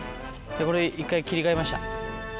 これで１回切り替えました。